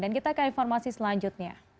dan kita ke informasi selanjutnya